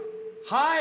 はい。